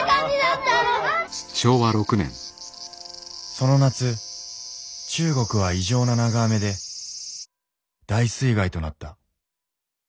その夏中国は異常な長雨で大水害となった。